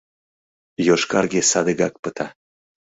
Йошкарге садыгак пыта.